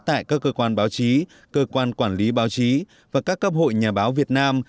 tại các cơ quan báo chí cơ quan quản lý báo chí và các cấp hội nhà báo việt nam